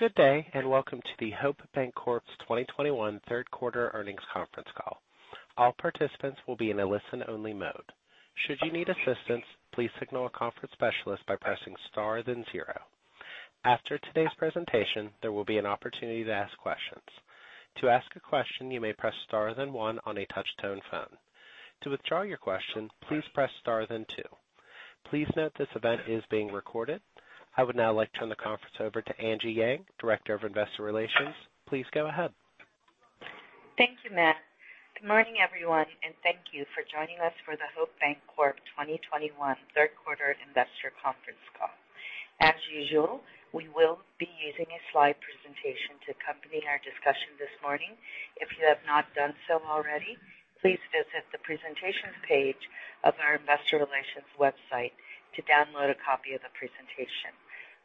Good day, and welcome to the Hope Bancorp's 2021 Third Quarter Earnings Conference Call. All participants will be in a listen-only mode. Should you need assistance, please signal a conference specialist by pressing star, then zero. After today's presentation, there will be an opportunity to ask questions. To ask a question, you may press star then one on a touch-tone phone. To withdraw your question, please press star then two. Please note this event is being recorded. I would now like to turn the conference over to Angie Yang, Director of Investor Relations. Please go ahead. Thank you, Matt. Good morning, everyone, and thank you for joining us for the Hope Bancorp 2021 third quarter investor conference call. As usual, we will be using a slide presentation to accompany our discussion this morning. If you have not done so already, please visit the presentations page of our Investor Relations website to download a copy of the presentation.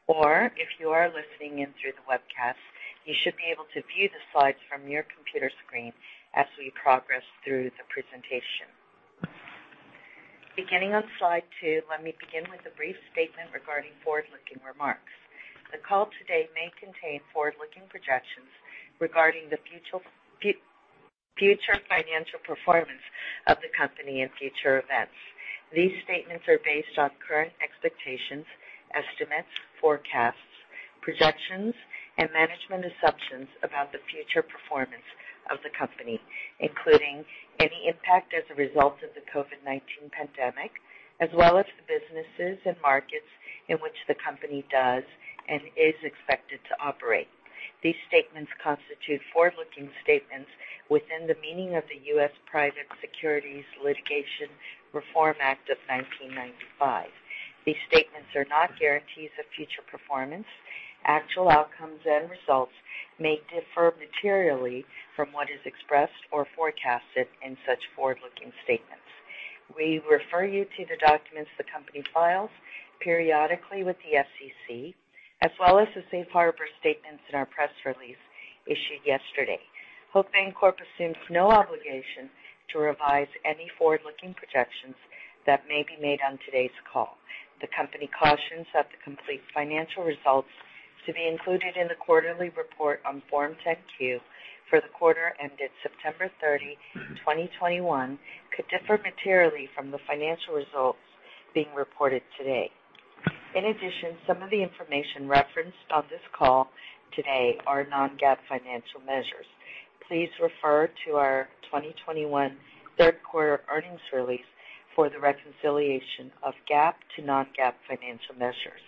Or if you are listening in through the webcast, you should be able to view the slides from your computer screen as we progress through the presentation. Beginning on slide two, let me begin with a brief statement regarding forward-looking remarks. The call today may contain forward-looking projections regarding the future financial performance of the company and future events. These statements are based on current expectations, estimates, forecasts, projections, and management assumptions about the future performance of the company, including any impact as a result of the COVID-19 pandemic, as well as the businesses and markets in which the company does and is expected to operate. These statements constitute forward-looking statements within the meaning of the U.S. Private Securities Litigation Reform Act of 1995. These statements are not guarantees of future performance. Actual outcomes and results may differ materially from what is expressed or forecasted in such forward-looking statements. We refer you to the documents the company files periodically with the SEC, as well as the safe harbor statements in our press release issued yesterday. Hope Bancorp assumes no obligation to revise any forward-looking projections that may be made on today's call. The company cautions that the complete financial results to be included in the quarterly report on Form 10-Q for the quarter ended September 30, 2021 could differ materially from the financial results being reported today. In addition, some of the information referenced on this call today are non-GAAP financial measures. Please refer to our 2021 third quarter earnings release for the reconciliation of GAAP to non-GAAP financial measures.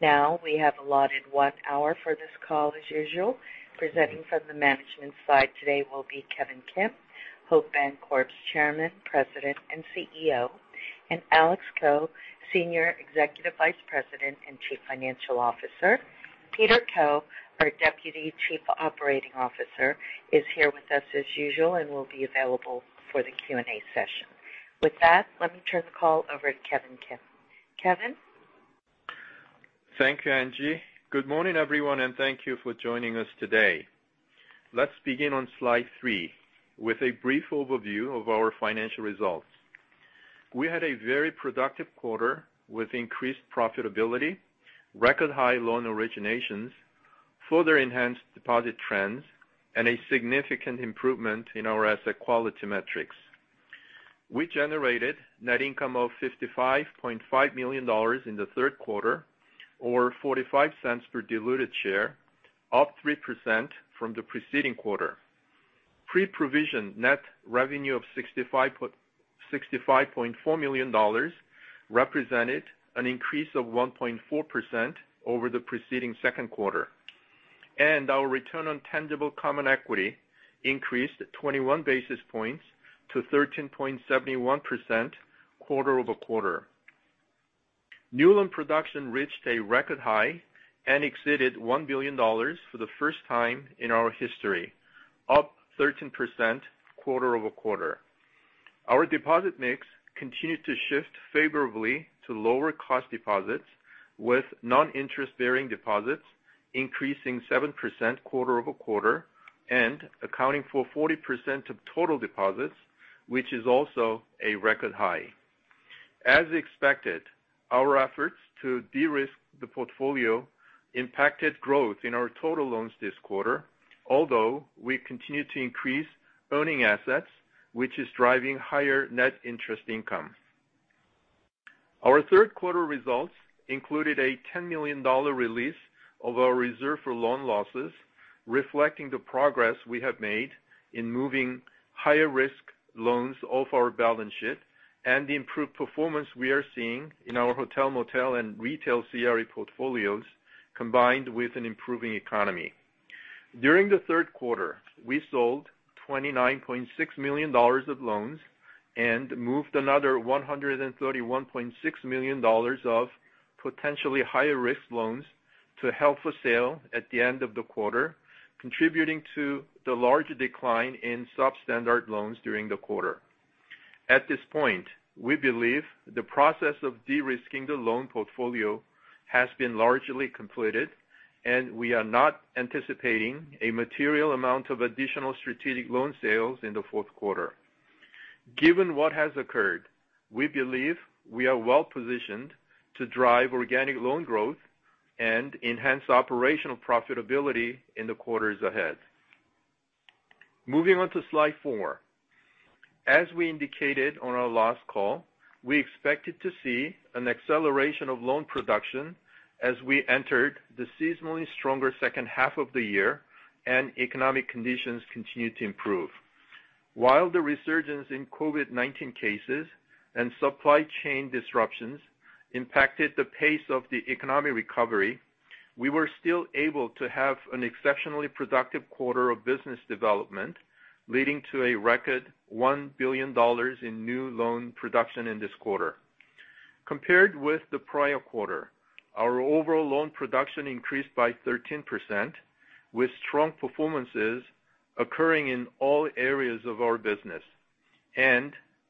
Now, we have allotted 1 hour for this call as usual. Presenting from the management side today will be Kevin Kim, Hope Bancorp's Chairman, President, and CEO, and Alex Ko, Senior Executive Vice President and Chief Financial Officer. Peter Koh, our Deputy Chief Operating Officer, is here with us as usual and will be available for the Q&A session. With that, let me turn the call over to Kevin Kim. Kevin? Thank you, Angie. Good morning, everyone, and thank you for joining us today. Let's begin on slide three with a brief overview of our financial results. We had a very productive quarter with increased profitability, record high loan originations, further enhanced deposit trends, and a significant improvement in our asset quality metrics. We generated net income of $55.5 million in the third quarter or $0.45 per diluted share, up 3% from the preceding quarter. Pre-Provision Net Revenue of $65.4 million represented an increase of 1.4% over the preceding second quarter. Our return on tangible common equity increased at 21 basis points to 13.71% quarter-over-quarter. New loan production reached a record high and exceeded $1 billion for the first time in our history, up 13% quarter-over-quarter. Our deposit mix continued to shift favorably to lower cost deposits, with non-interest-bearing deposits increasing 7% quarter-over-quarter and accounting for 40% of total deposits, which is also a record high. As expected, our efforts to de-risk the portfolio impacted growth in our total loans this quarter, although we continue to increase earning assets, which is driving higher net interest income. Our third quarter results included a $10 million release of our reserve for loan losses, reflecting the progress we have made in moving higher risk loans off our balance sheet and the improved performance we are seeing in our hotel, motel, and retail CRE portfolios, combined with an improving economy. During the third quarter, we sold $29.6 million of loans and moved another $131.6 million of potentially higher risk loans to held for sale at the end of the quarter, contributing to the large decline in substandard loans during the quarter. At this point, we believe the process of de-risking the loan portfolio has been largely completed, and we are not anticipating a material amount of additional strategic loan sales in the fourth quarter. Given what has occurred, we believe we are well positioned to drive organic loan growth and enhance operational profitability in the quarters ahead. Moving on to slide four. As we indicated on our last call, we expected to see an acceleration of loan production as we entered the seasonally stronger second half of the year and economic conditions continued to improve. While the resurgence in COVID-19 cases and supply chain disruptions impacted the pace of the economic recovery, we were still able to have an exceptionally productive quarter of business development, leading to a record $1 billion in new loan production in this quarter. Compared with the prior quarter, our overall loan production increased by 13%, with strong performances occurring in all areas of our business.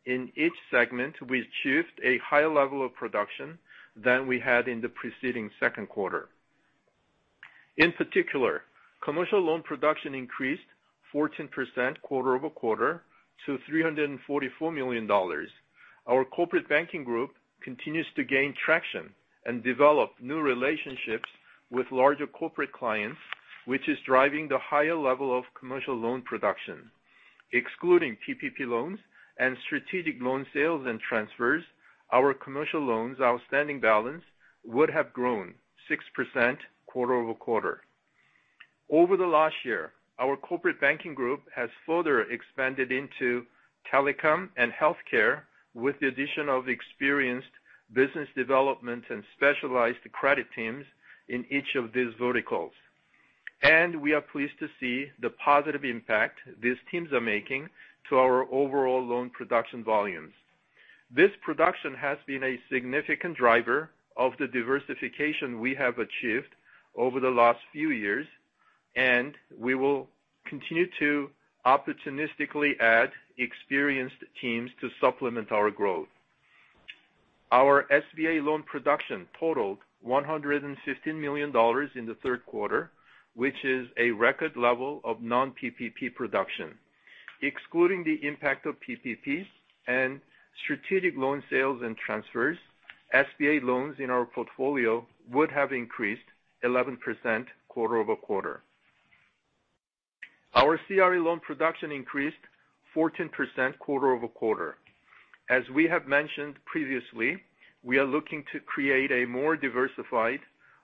In each segment, we achieved a higher level of production than we had in the preceding second quarter. In particular, commercial loan production increased 14% quarter-over-quarter to $344 million. Our Corporate Banking group continues to gain traction and develop new relationships with larger corporate clients, which is driving the higher level of commercial loan production. Excluding PPP loans and strategic loan sales and transfers, our commercial loans outstanding balance would have grown 6% quarter-over-quarter. Over the last year, our Corporate Banking group has further expanded into telecom and healthcare with the addition of experienced business development and specialized credit teams in each of these verticals. We are pleased to see the positive impact these teams are making to our overall loan production volumes. This production has been a significant driver of the diversification we have achieved over the last few years, and we will continue to opportunistically add experienced teams to supplement our growth. Our SBA loan production totaled $115 million in the third quarter, which is a record level of non-PPP production. Excluding the impact of PPP and strategic loan sales and transfers, SBA loans in our portfolio would have increased 11% quarter-over-quarter. Our CRE loan production increased 14% quarter-over-quarter. As we have mentioned previously, we are looking to create a more diversified,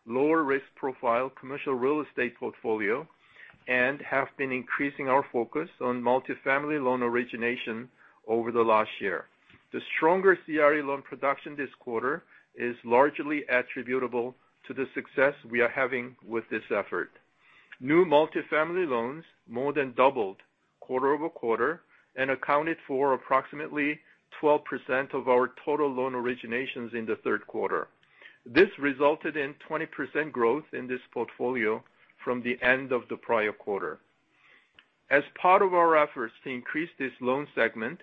lower risk profile commercial real estate portfolio and have been increasing our focus on multifamily loan origination over the last year. The stronger CRE loan production this quarter is largely attributable to the success we are having with this effort. New multifamily loans more than doubled quarter-over-quarter and accounted for approximately 12% of our total loan originations in the third quarter. This resulted in 20% growth in this portfolio from the end of the prior quarter. As part of our efforts to increase this loan segment,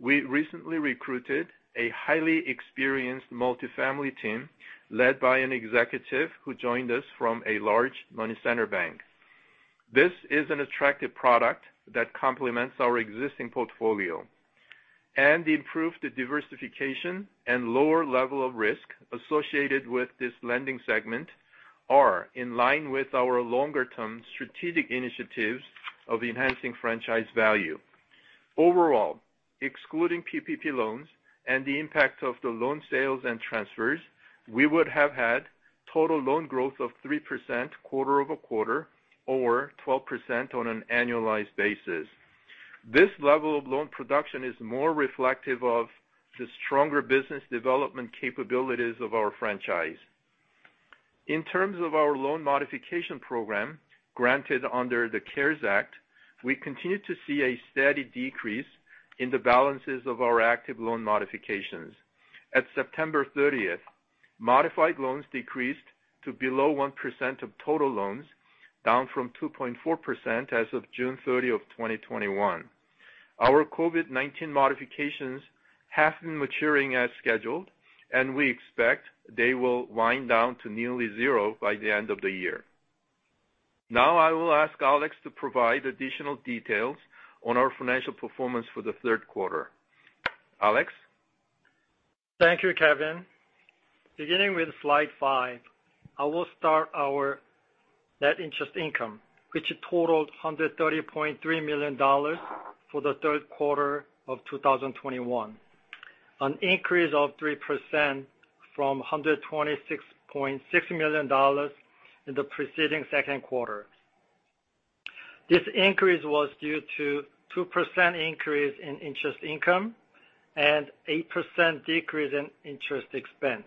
we recently recruited a highly experienced multifamily team led by an executive who joined us from a large money center bank. This is an attractive product that complements our existing portfolio, and the improved diversification and lower level of risk associated with this lending segment are in line with our longer-term strategic initiatives of enhancing franchise value. Overall, excluding PPP loans and the impact of the loan sales and transfers, we would have had total loan growth of 3% quarter-over-quarter or 12% on an annualized basis. This level of loan production is more reflective of the stronger business development capabilities of our franchise. In terms of our loan modification program granted under the CARES Act, we continue to see a steady decrease in the balances of our active loan modifications. At September 30th, modified loans decreased to below 1% of total loans, down from 2.4% as of June 30, 2021. Our COVID-19 modifications have been maturing as scheduled, and we expect they will wind down to nearly zero by the end of the year. Now I will ask Alex to provide additional details on our financial performance for the third quarter. Alex? Thank you, Kevin. Beginning with slide five, I will start our net interest income, which totaled $130.3 million for the third quarter of 2021, an increase of 3% from $126.6 million in the preceding second quarter. This increase was due to 2% increase in interest income and 8% decrease in interest expense.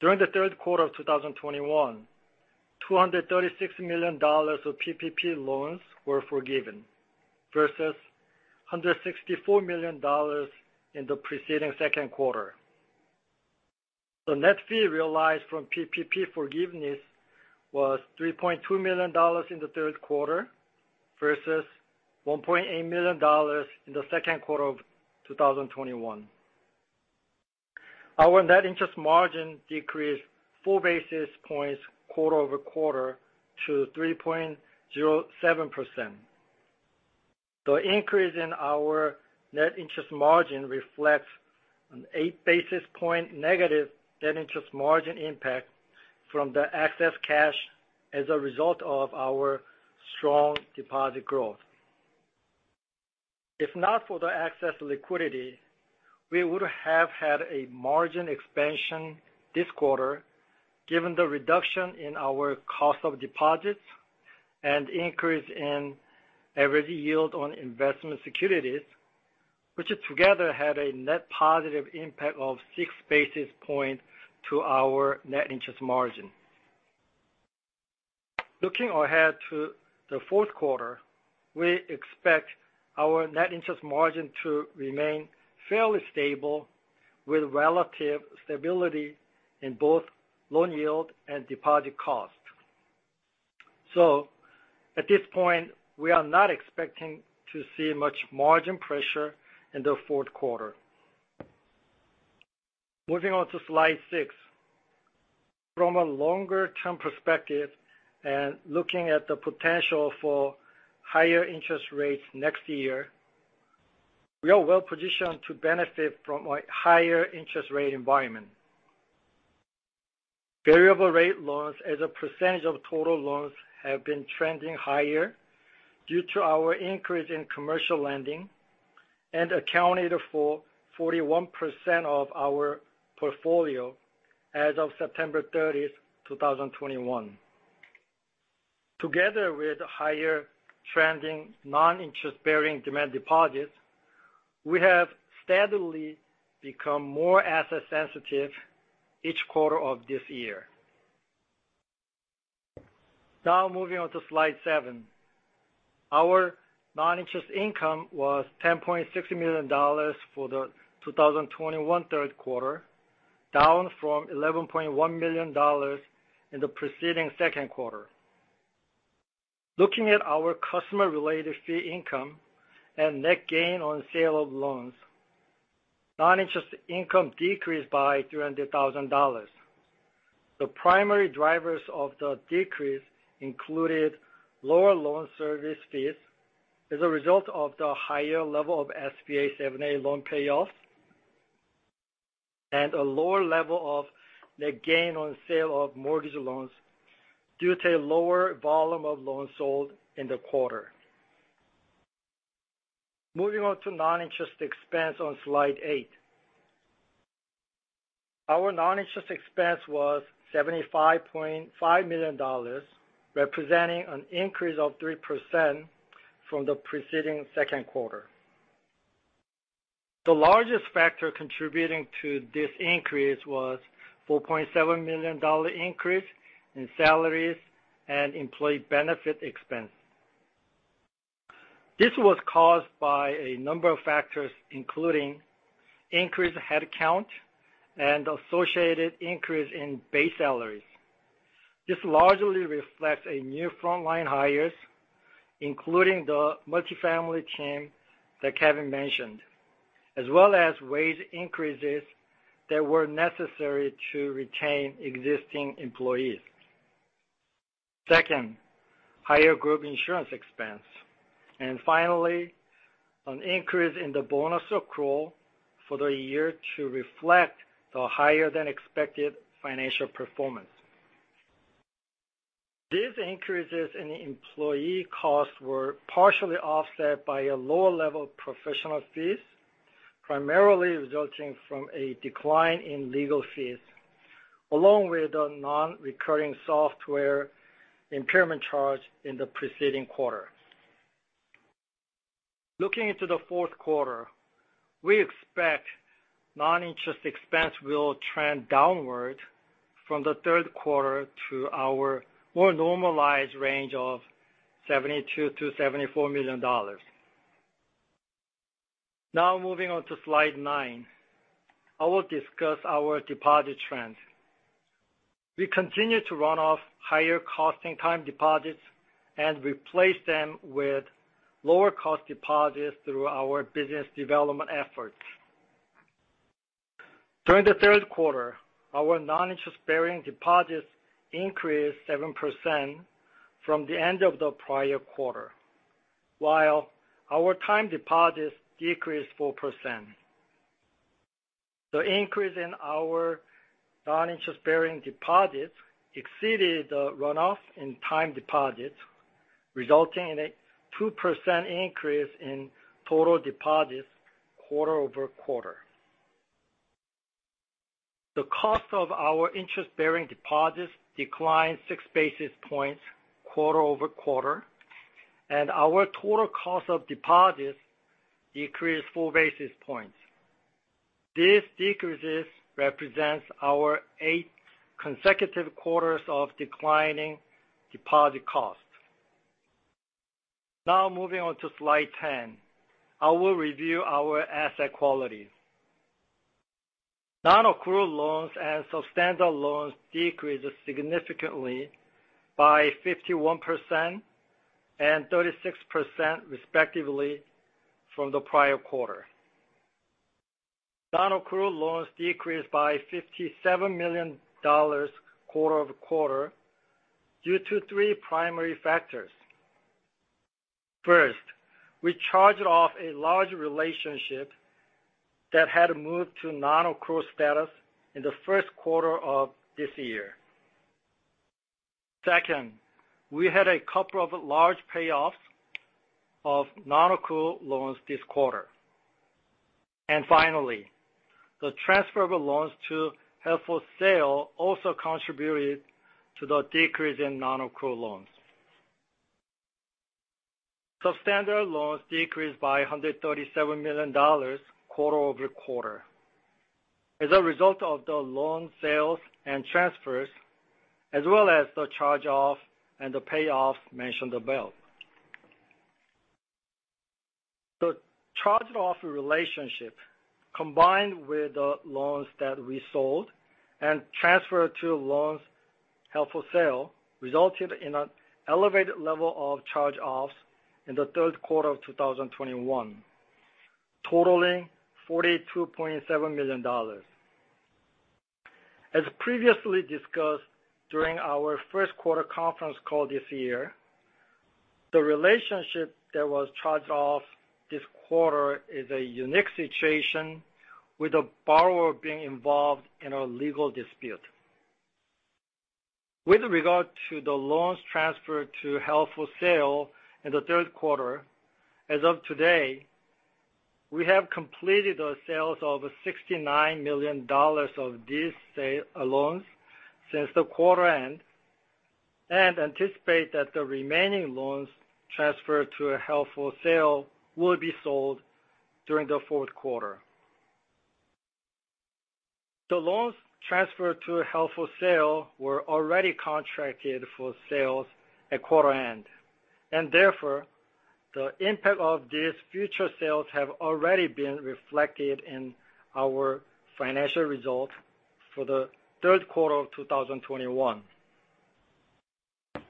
During the third quarter of 2021, $236 million of PPP loans were forgiven versus $164 million in the preceding second quarter. The net fee realized from PPP forgiveness was $3.2 million in the third quarter versus $1.8 million in the second quarter of 2021. Our net interest margin decreased 4 basis points quarter-over-quarter to 3.07%. The increase in our net interest margin reflects an 8 basis points negative net interest margin impact from the excess cash as a result of our strong deposit growth. If not for the excess liquidity, we would have had a margin expansion this quarter given the reduction in our cost of deposits and increase in average yield on investment securities, which together had a net positive impact of 6 basis points to our net interest margin. Looking ahead to the fourth quarter, we expect our net interest margin to remain fairly stable with relative stability in both loan yield and deposit cost. At this point, we are not expecting to see much margin pressure in the fourth quarter. Moving on to slide six. From a longer-term perspective and looking at the potential for higher interest rates next year, we are well-positioned to benefit from a higher interest rate environment. Variable rate loans as a percentage of total loans have been trending higher due to our increase in commercial lending and accounted for 41% of our portfolio as of September 30, 2021. Together with higher trending non-interest-bearing demand deposits, we have steadily become more asset sensitive each quarter of this year. Now moving on to slide seven. Our non-interest income was $10.6 million for the 2021 third quarter, down from $11.1 million in the preceding second quarter. Looking at our customer-related fee income and net gain on sale of loans, non-interest income decreased by $300,000. The primary drivers of the decrease included lower loan service fees as a result of the higher level of SBA 7(a) loan payoffs and a lower level of net gain on sale of mortgage loans due to a lower volume of loans sold in the quarter. Moving on to non-interest expense on slide eight. Our non-interest expense was $75.5 million, representing an increase of 3% from the preceding second quarter. The largest factor contributing to this increase was a $4.7 million increase in salaries and employee benefit expense. This was caused by a number of factors, including increased head count and associated increase in base salaries. This largely reflects new frontline hires, including the multifamily team that Kevin mentioned, as well as wage increases that were necessary to retain existing employees. Second, higher group insurance expense. Finally, an increase in the bonus accrual for the year to reflect the higher than expected financial performance. These increases in employee costs were partially offset by a lower level professional fees, primarily resulting from a decline in legal fees, along with the non-recurring software impairment charge in the preceding quarter. Looking into the fourth quarter, we expect non-interest expense will trend downward from the third quarter to our more normalized range of $72 million-$74 million. Now moving on to slide nine, I will discuss our deposit trends. We continue to run off higher costing time deposits and replace them with lower cost deposits through our business development efforts. During the third quarter, our non-interest-bearing deposits increased 7% from the end of the prior quarter, while our time deposits decreased 4%. The increase in our non-interest-bearing deposits exceeded the runoff in time deposits, resulting in a 2% increase in total deposits quarter-over-quarter. The cost of our interest-bearing deposits declined 6 basis points quarter-over-quarter, and our total cost of deposits decreased 4 basis points. These decreases represent our eighth consecutive quarters of declining deposit cost. Now moving on to slide 10, I will review our asset quality. Non-accrual loans and substandard loans decreased significantly by 51% and 36%, respectively from the prior quarter. Non-accrual loans decreased by $57 million quarter-over-quarter due to three primary factors. First, we charged off a large relationship that had moved to non-accrual status in the first quarter of this year. Second, we had a couple of large payoffs of non-accrual loans this quarter. Finally, the transfer of loans to held for sale also contributed to the decrease in non-accrual loans. Substandard loans decreased by $137 million quarter-over-quarter as a result of the loan sales and transfers, as well as the charge-off and the payoffs mentioned above. The charged-off relationship, combined with the loans that we sold and transferred to loans held for sale, resulted in an elevated level of charge-offs in the third quarter of 2021, totaling $42.7 million. As previously discussed during our first quarter conference call this year, the relationship that was charged off this quarter is a unique situation with the borrower being involved in a legal dispute. With regard to the loans transferred to held for sale in the third quarter, as of today, we have completed the sales of $69 million of these loans since the quarter end, and anticipate that the remaining loans transferred to held for sale will be sold during the fourth quarter. The loans transferred to held for sale were already contracted for sales at quarter end, and therefore, the impact of these future sales have already been reflected in our financial results for the third quarter of 2021.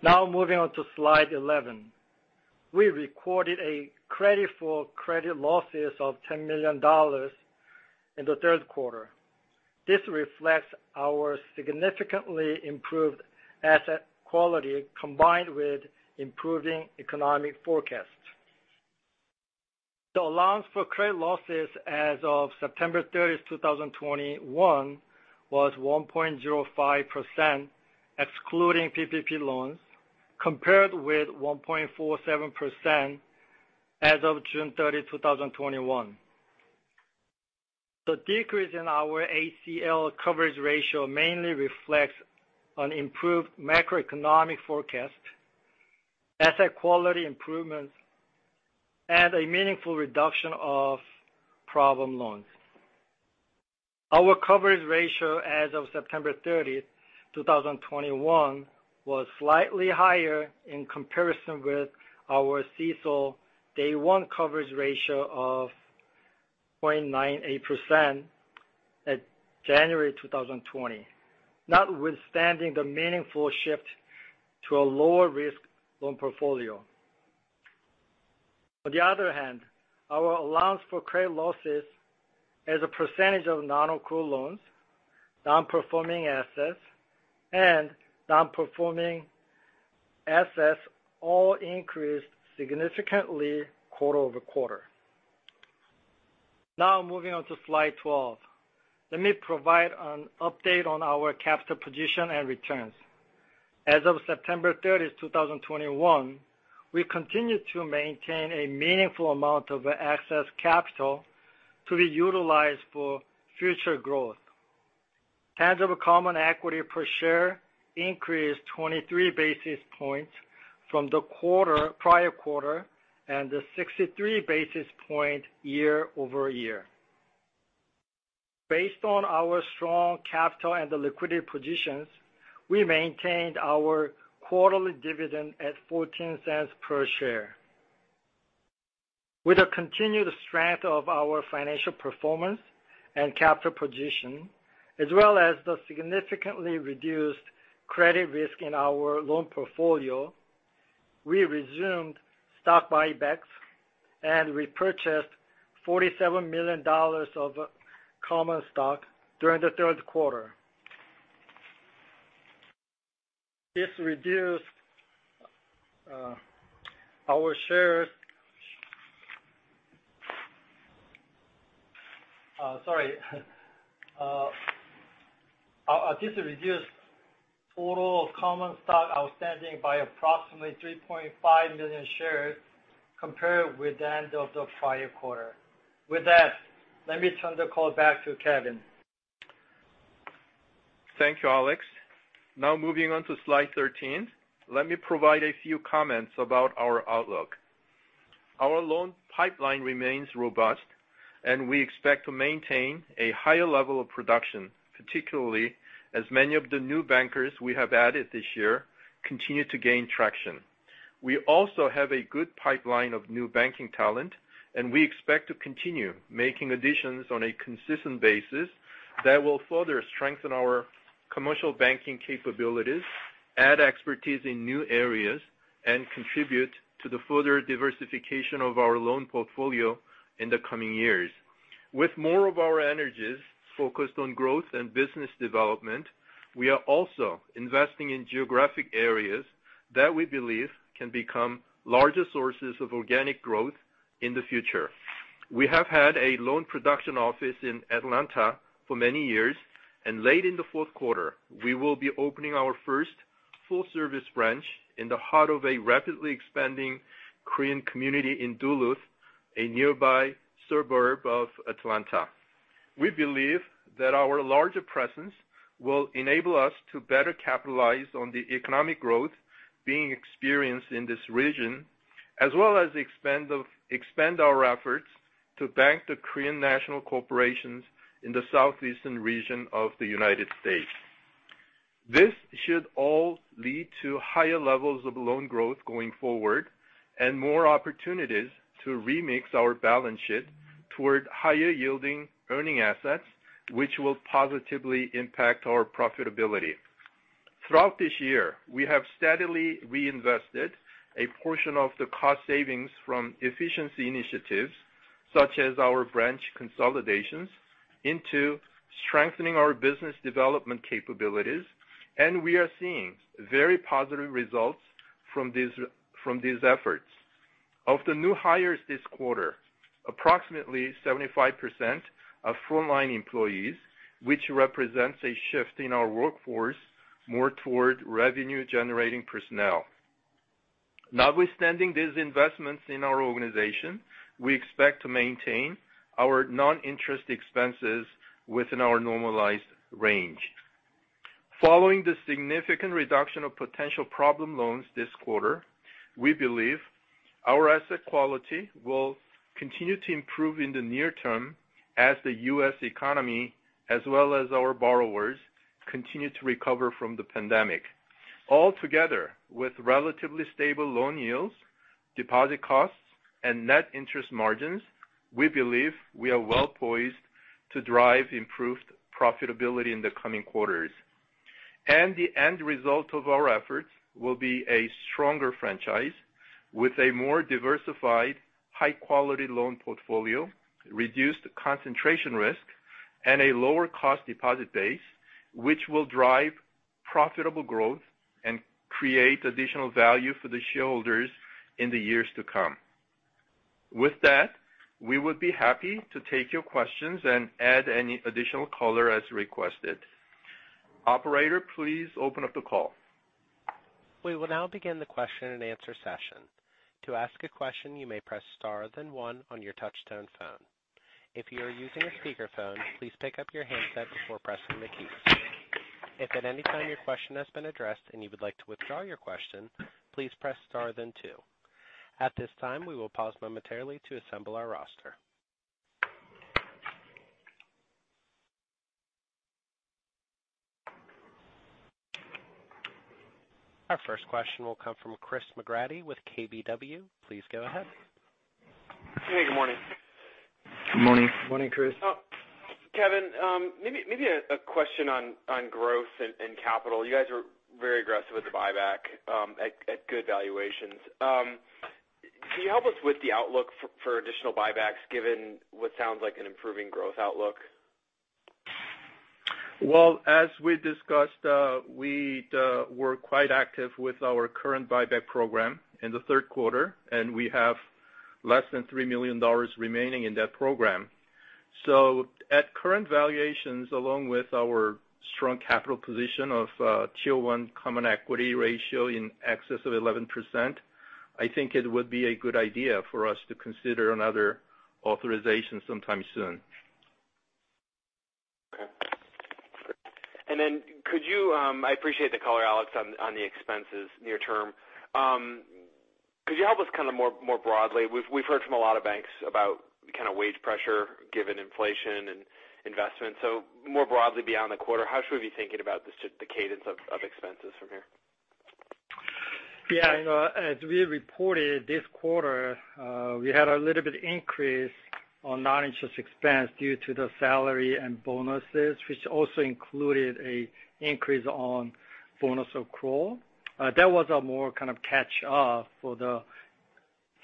Now moving on to slide 11. We recorded a credit for credit losses of $10 million in the third quarter. This reflects our significantly improved asset quality combined with improving economic forecasts. The allowance for credit losses as of September 30, 2021 was 1.05%, excluding PPP loans, compared with 1.47% as of June 30, 2021. The decrease in our ACL coverage ratio mainly reflects an improved macroeconomic forecast, asset quality improvements, and a meaningful reduction of problem loans. Our coverage ratio as of September 30, 2021 was slightly higher in comparison with our CECL day one coverage ratio of 0.98% at January 2020, notwithstanding the meaningful shift to a lower risk loan portfolio. On the other hand, our allowance for credit losses as a percentage of non-accrual loans, non-performing assets, and non-performing assets all increased significantly quarter-over-quarter. Now moving on to slide 12. Let me provide an update on our capital position and returns. As of September 30, 2021, we continue to maintain a meaningful amount of excess capital to be utilized for future growth. Tangible Common Equity per share increased 23 basis points from the prior quarter and 63 basis points year-over-year. Based on our strong capital and liquidity positions, we maintained our quarterly dividend at 14 cents per share. With the continued strength of our financial performance and capital position, as well as the significantly reduced credit risk in our loan portfolio, we resumed stock buybacks and repurchased $47 million of common stock during the third quarter. This reduced total common stock outstanding by approximately 3.5 million shares compared with the end of the prior quarter. With that, let me turn the call back to Kevin. Thank you, Alex. Now moving on to slide 13. Let me provide a few comments about our outlook. Our loan pipeline remains robust and we expect to maintain a higher level of production, particularly as many of the new bankers we have added this year continue to gain traction. We also have a good pipeline of new banking talent, and we expect to continue making additions on a consistent basis that will further strengthen our commercial banking capabilities, add expertise in new areas, and contribute to the further diversification of our loan portfolio in the coming years. With more of our energies focused on growth and business development, we are also investing in geographic areas that we believe can become larger sources of organic growth in the future. We have had a loan production office in Atlanta for many years, and late in the fourth quarter, we will be opening our first full service branch in the heart of a rapidly expanding Korean community in Duluth, a nearby suburb of Atlanta. We believe that our larger presence will enable us to better capitalize on the economic growth being experienced in this region, as well as expand our efforts to bank the Korean national corporations in the southeastern region of the United States. This should all lead to higher levels of loan growth going forward and more opportunities to remix our balance sheet toward higher yielding earning assets, which will positively impact our profitability. Throughout this year, we have steadily reinvested a portion of the cost savings from efficiency initiatives, such as our branch consolidations, into strengthening our business development capabilities, and we are seeing very positive results from these efforts. Of the new hires this quarter, approximately 75% are frontline employees, which represents a shift in our workforce more toward revenue generating personnel. Notwithstanding these investments in our organization, we expect to maintain our non-interest expenses within our normalized range. Following the significant reduction of potential problem loans this quarter, we believe our asset quality will continue to improve in the near term as the U.S. economy, as well as our borrowers, continue to recover from the pandemic. All together, with relatively stable loan yields, deposit costs, and net interest margins, we believe we are well poised to drive improved profitability in the coming quarters. The end result of our efforts will be a stronger franchise with a more diversified high quality loan portfolio, reduced concentration risk, and a lower cost deposit base, which will drive profitable growth and create additional value for the shareholders in the years to come. With that, we would be happy to take your questions and add any additional color as requested. Operator, please open up the call. We will now begin the question-and-answer session. To ask a question, you may press star then one on your touch-tone phone. If you are using a speaker phone, please pick up your handset before pressing the key. If at any time your question has been addressed and you would like to withdraw your question, please press star then two. At this time, we will pause momentarily to assemble our roster. Our first question will come from Chris McGratty with KBW. Please go ahead. Hey, good morning. Good morning. Morning, Chris. Kevin, maybe a question on growth and capital. You guys are very aggressive with the buyback at good valuations. Can you help us with the outlook for additional buybacks given what sounds like an improving growth outlook? Well, as we discussed, we were quite active with our current buyback program in the third quarter, and we have less than $3 million remaining in that program. At current valuations, along with our strong capital position of Tier 1 Common Equity Ratio in excess of 11%, I think it would be a good idea for us to consider another authorization sometime soon. Okay. I appreciate the color, Alex, on the expenses near term. Could you help us more broadly? We've heard from a lot of banks about kind of wage pressure given inflation and investment. More broadly beyond the quarter, how should we be thinking about the cadence of expenses from here? Yeah, you know, as we reported this quarter, we had a little bit increase on non-interest expense due to the salary and bonuses, which also included a increase on bonus accrual. That was a more kind of catch up for the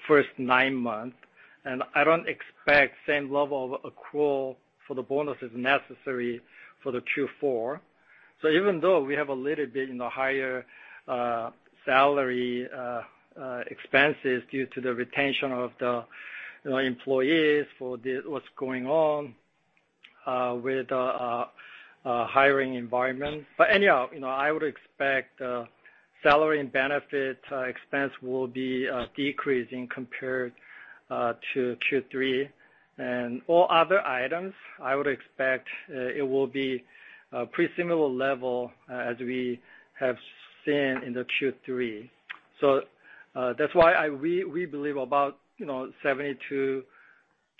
first nine months, and I don't expect same level of accrual for the bonuses necessary for the Q4. Even though we have a little bit, you know, higher salary expenses due to the retention of the, you know, employees for what's going on with the hiring environment. Anyhow, you know, I would expect salary and benefit expense will be decreasing compared to Q3. All other items, I would expect it will be a pretty similar level as we have seen in the Q3. We believe about, you know, $72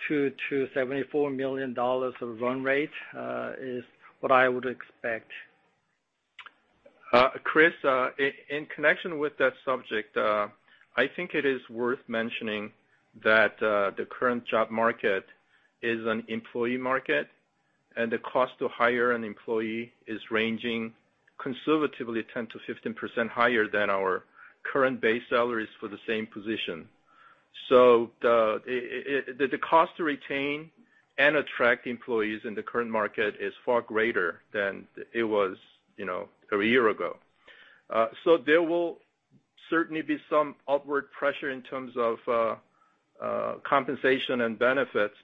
million-$74 million of run rate is what I would expect. Chris, in connection with that subject, I think it is worth mentioning that the current job market is an employee market. The cost to hire an employee is ranging conservatively 10%-15% higher than our current base salaries for the same position. The cost to retain and attract employees in the current market is far greater than it was, you know, a year ago. There will certainly be some upward pressure in terms of compensation and benefits.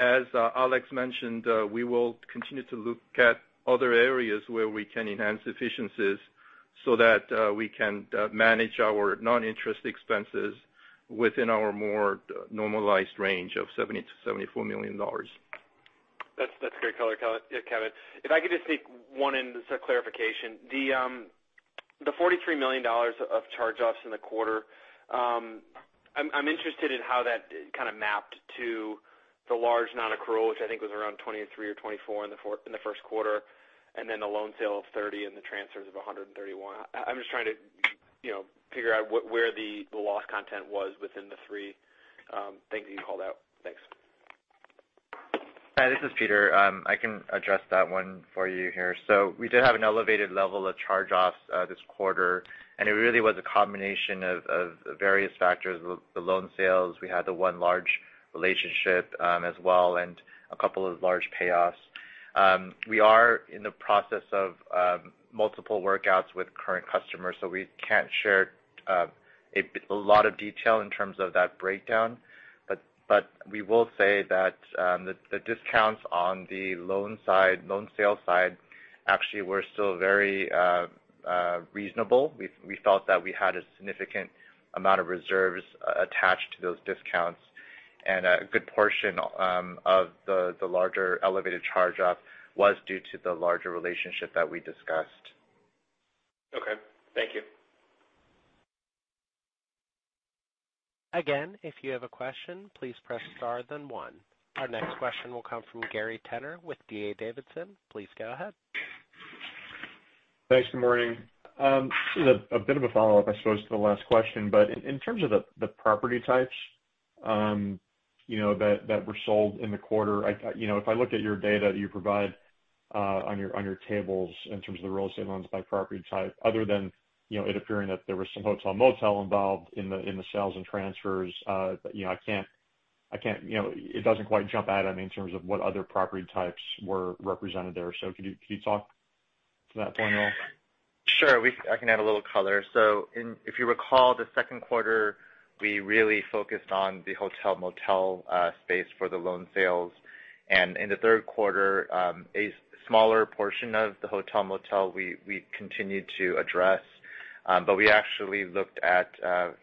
As Alex mentioned, we will continue to look at other areas where we can enhance efficiencies so that we can manage our non-interest expenses within our more normalized range of $70 million-$74 million. That's great color, Kevin. If I could just make one clarification. The $43 million of charge-offs in the quarter, I'm interested in how that kind of mapped to the large non-accrual, which I think was around $23 million or $24 million in the first quarter, and then the loan sale of $30 million and the transfers of $131 million. I'm just trying to, you know, figure out what where the loss content was within the three things that you called out. Thanks. Hi, this is Peter. I can address that one for you here. We did have an elevated level of charge-offs, this quarter, and it really was a combination of various factors. The loan sales, we had the one large relationship, as well, and a couple of large payoffs. We are in the process of multiple workouts with current customers, so we can't share a lot of detail in terms of that breakdown. We will say that the discounts on the loan side, loan sale side actually were still very reasonable. We felt that we had a significant amount of reserves attached to those discounts. A good portion of the larger elevated charge-off was due to the larger relationship that we discussed. Okay. Thank you. Again, if you have a question, please press star then one. Our next question will come from Gary Tenner with D.A. Davidson. Please go ahead. Thanks. Good morning. A bit of a follow-up, I suppose, to the last question. In terms of the property types, you know, that were sold in the quarter, you know, if I look at your data you provide on your tables in terms of the real estate loans by property type, other than, you know, it appearing that there was some hotel/motel involved in the sales and transfers, you know, I can't. You know, it doesn't quite jump out at me in terms of what other property types were represented there. So could you talk to that for me at all? Sure. I can add a little color. If you recall the second quarter, we really focused on the hotel/motel space for the loan sales. In the third quarter, a smaller portion of the hotel/motel we continued to address, but we actually looked at,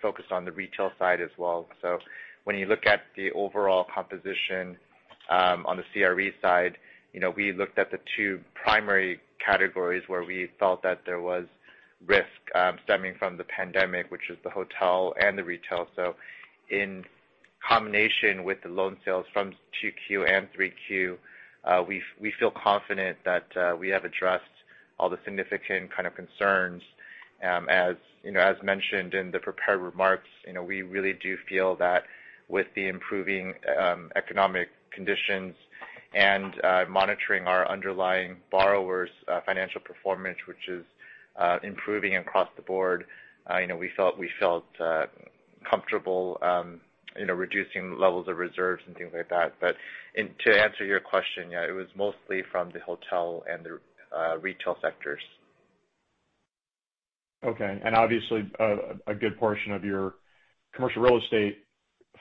focused on the retail side as well. When you look at the overall composition, on the CRE side, you know, we looked at the two primary categories where we felt that there was risk stemming from the pandemic, which is the hotel and the retail. In combination with the loan sales from 2Q and 3Q, we feel confident that we have addressed all the significant kind of concerns. As you know, as mentioned in the prepared remarks, you know, we really do feel that with the improving economic conditions and monitoring our underlying borrowers' financial performance, which is improving across the board, you know, we felt comfortable, you know, reducing levels of reserves and things like that. To answer your question, yeah, it was mostly from the hotel and the retail sectors. Okay. Obviously, a good portion of your commercial real estate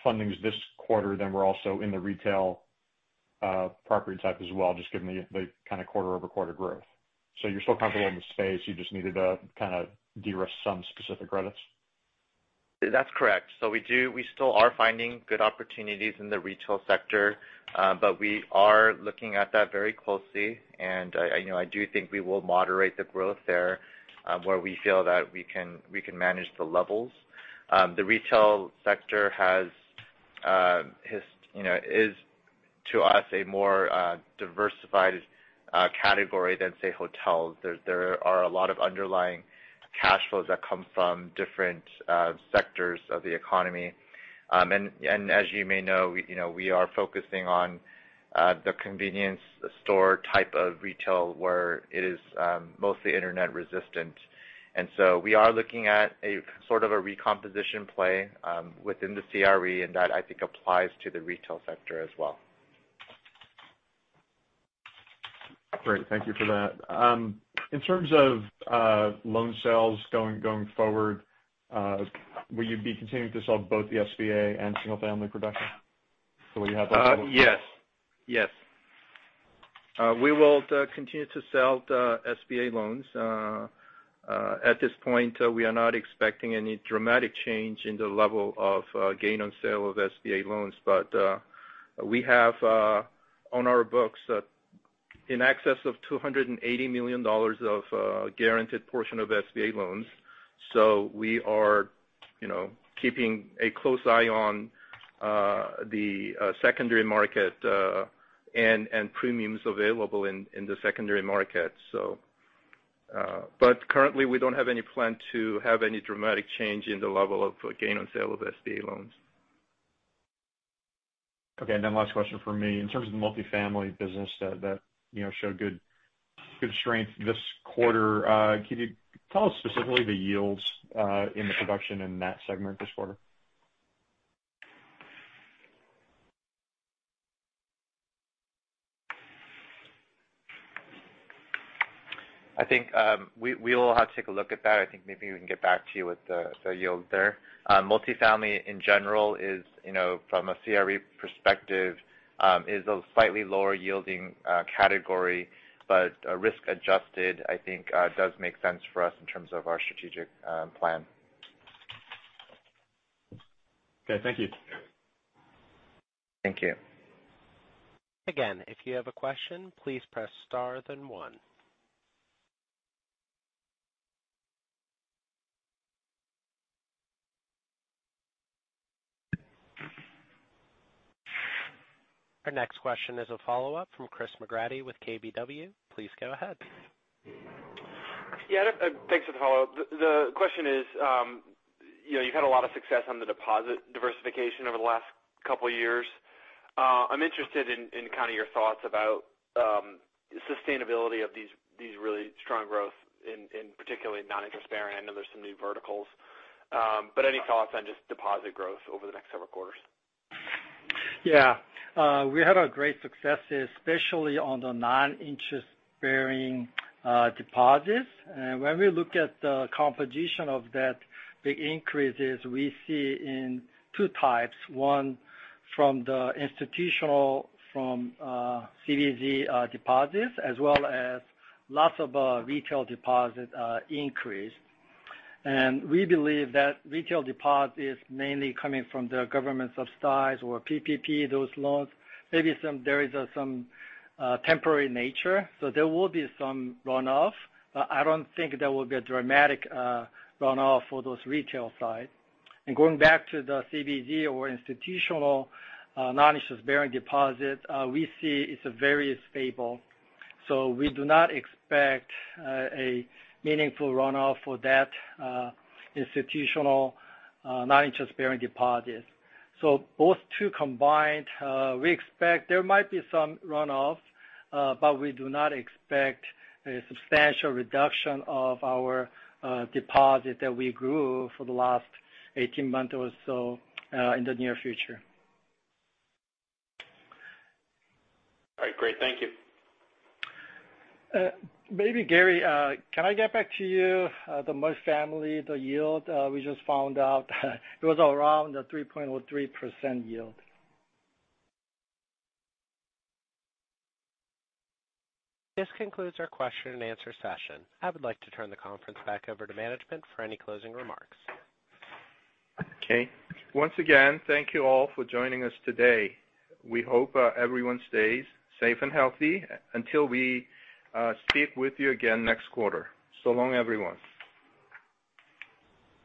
fundings this quarter then were also in the retail property type as well, just given the kind of quarter-over-quarter growth. You're still comfortable in the space, you just needed to kind of de-risk some specific credits? That's correct. We still are finding good opportunities in the retail sector, but we are looking at that very closely. You know, I do think we will moderate the growth there, where we feel that we can manage the levels. The retail sector has, you know, is to us a more diversified category than, say, hotels. There are a lot of underlying cash flows that come from different sectors of the economy. As you may know, you know, we are focusing on the convenience store type of retail where it is mostly internet resistant. We are looking at a sort of a recomposition play within the CRE, and that I think applies to the retail sector as well. Great. Thank you for that. In terms of loan sales going forward, will you be continuing to sell both the SBA and single-family production? Is that what you have- Yes. We will continue to sell the SBA loans. At this point, we are not expecting any dramatic change in the level of gain on sale of SBA loans. We have on our books in excess of $280 million of guaranteed portion of SBA loans. We are, you know, keeping a close eye on the secondary market and premiums available in the secondary market. Currently we don't have any plan to have any dramatic change in the level of gain on sale of SBA loans. Okay. Last question from me. In terms of the multi-family business that you know showed good strength this quarter, can you tell us specifically the yields in the production in that segment this quarter? I think we will have to take a look at that. I think maybe we can get back to you with the yield there. Multi-family in general, you know, from a CRE perspective, is a slightly lower yielding category, but risk adjusted, I think, does make sense for us in terms of our strategic plan. Okay, thank you. Thank you. Again, if you have a question, please press star then one. Our next question is a follow-up from Chris McGratty with KBW. Please go ahead. Yeah, thanks for the follow-up. The question is, you know, you've had a lot of success on the deposit diversification over the last couple years. I'm interested in kind of your thoughts about sustainability of these really strong growth in particularly non-interest bearing. I know there's some new verticals. But any thoughts on just deposit growth over the next several quarters? Yeah. We had a great success, especially on the non-interest-bearing deposits. When we look at the composition of that, the increases we see in two types, one from the institutional, from CBZ deposits, as well as lots of retail deposit increase. We believe that retail deposit is mainly coming from the government subsidies or PPP, those loans. Maybe there is some temporary nature, so there will be some runoff, but I don't think there will be a dramatic runoff for those retail side. Going back to the CBZ or institutional non-interest-bearing deposit, we see it's very stable. We do not expect a meaningful runoff for that institutional non-interest-bearing deposit. Both two combined, we expect there might be some runoff, but we do not expect a substantial reduction of our deposit that we grew for the last 18 months or so, in the near future. All right, great. Thank you. Maybe Gary, can I get back to you, the multi-family, the yield? We just found out it was around a 3.03% yield. This concludes our question-and-answer session. I would like to turn the conference back over to management for any closing remarks. Okay. Once again, thank you all for joining us today. We hope everyone stays safe and healthy until we speak with you again next quarter. So long, everyone.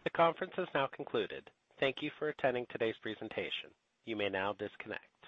The conference is now concluded. Thank you for attending today's presentation. You may now disconnect.